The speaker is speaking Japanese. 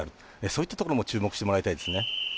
そういったところも注目してもらいたいですね。